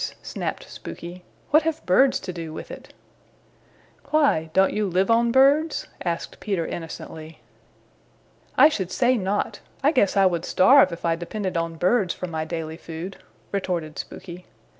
snapped Spooky. "What have birds to do with it?" "Why, don't you live on birds?" asked Peter innocently. "I should say not. I guess I would starve if I depended on birds for my daily food," retorted Spooky.